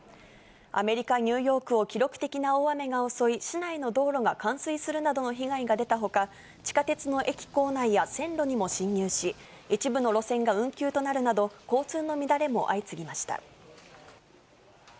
アメリカ・ニューヨークを記録的な大雨が襲い、市内の道路が冠水するなどの被害が出たほか、地下鉄の駅構内や線路にも侵入し、一部の路線が運休となるなど、交通の乱れも相次ぎました。